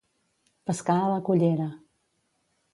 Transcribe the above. Pescar a la cullera.